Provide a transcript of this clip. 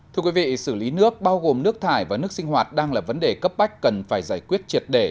thưa quý vị xử lý nước bao gồm nước thải và nước sinh hoạt đang là vấn đề cấp bách cần phải giải quyết triệt đề